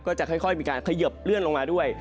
จะค่อยมีการเขยิบเลื่อนลงมาด้วย